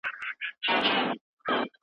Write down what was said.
تا چې داسې اړولى خوى راواخيست